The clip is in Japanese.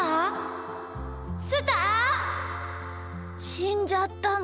しんじゃったの？